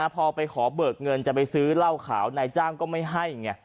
พอไปขอเบิกเงินจะไปซื้อเหล้าขาวนายจ้างก็ไม่ให้ไง